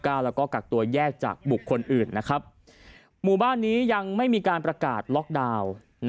แล้วก็กักตัวแยกจากบุคคลอื่นนะครับหมู่บ้านนี้ยังไม่มีการประกาศล็อกดาวน์